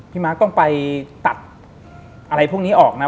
มาร์คต้องไปตัดอะไรพวกนี้ออกนะ